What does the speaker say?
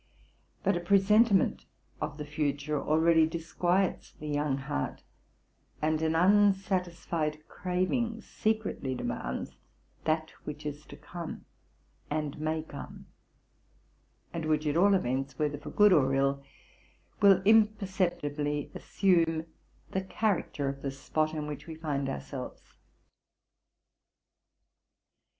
But a presentiment of the future already disquiets the young heart ; and an unsatisfied craving secretly demands that which is to come and may come, and which at all events, whether for good or ill, will imperceptibly assume the character of the spot in which we find ourselves.